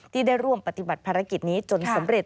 ที่ได้ร่วมปฏิบัติภารกิจนี้จนสำเร็จ